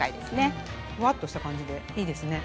ふわっとした感じでいいですね。